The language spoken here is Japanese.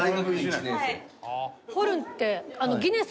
ホルンって。